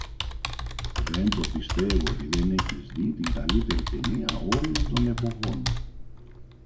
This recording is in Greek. Δεν το πιστεύω ότι δεν έχεις δει την καλύτερη ταινία όλων των εποχών.